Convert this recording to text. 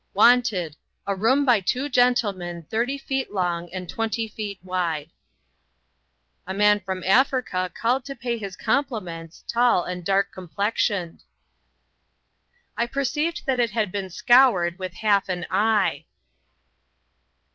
"Wanted A room by two gentlemen thirty feet long and twenty feet wide." "A man from Africa called to pay his compliments tall and dark complexioned." "I perceived that it had been scoured with half an eye."